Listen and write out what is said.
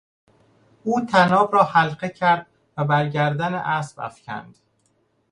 او طناب را حلقه کرد و بر گردن اسب افکند.